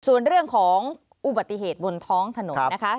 ส่วนเรื่องของอุบัติเหตุบนท้องถนนนะคะ